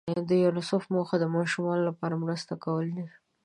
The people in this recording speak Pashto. د یونیسف موخه د ماشومانو لپاره مرسته کول دي.